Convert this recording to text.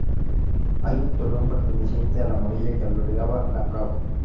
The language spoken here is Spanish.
Hay un torreón perteneciente a la muralla, que albergaba la fragua.